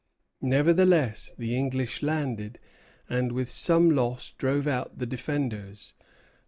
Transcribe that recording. Nevertheless the English landed, and, with some loss, drove out the defenders.